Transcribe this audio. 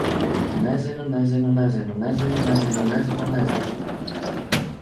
Nezinu. Nezinu. Nezinu. Nezinu. Nezinu. Nezinu. Nezinu.